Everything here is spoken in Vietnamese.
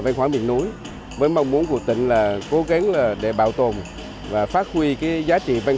văn hóa miền núi với mong muốn của tỉnh là cố gắng để bảo tồn và phát huy giá trị văn